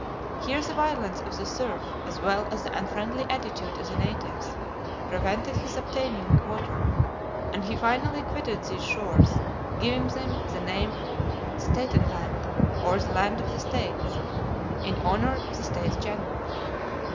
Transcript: Here the violence of the surf, as well as the unfriendly attitude of the natives, prevented his obtaining water, and he finally quitted these shores, giving them the name Staten land or the Land of the States, in honor of the States General.